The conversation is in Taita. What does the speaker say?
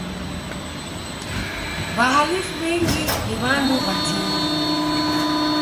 W'ahalifu w'engi ni w'andu w'atini.